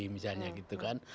misalnya gitu kan